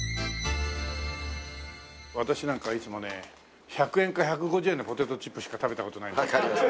私なんかいつもね１００円か１５０円のポテトチップしか食べた事ない。